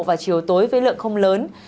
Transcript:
vào chiều tối với lượng không lớn